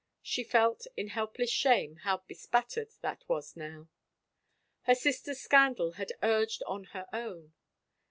She felt, in helpless shame, how bespattered that was now. Her sister's scandal had urged on her own.